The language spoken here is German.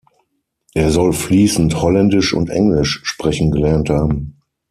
Er soll fließend Holländisch und Englisch sprechen gelernt haben.